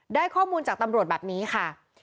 ได้ข้อมูลจากตำรวจแบบนี้ค่ะ